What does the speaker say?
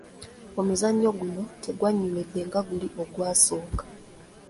Omuzannyo guno tegwannyumidde nga guli ogwasooka.